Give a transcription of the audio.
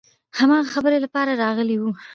هماغه خبرې لپاره راغلي وو.